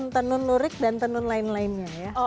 tenun lurik dan tenun lain lainnya ya